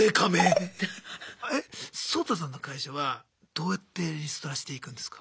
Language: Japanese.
ソウタさんの会社はどうやってリストラしていくんですか？